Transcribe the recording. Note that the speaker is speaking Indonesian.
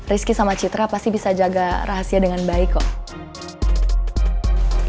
rizky sama citra pasti bisa jaga rahasia dengan baik kok